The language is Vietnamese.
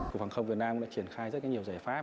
cục hàng không việt nam đã triển khai rất nhiều giải pháp